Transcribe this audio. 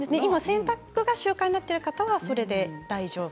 洗濯が習慣になっている方はそれで大丈夫。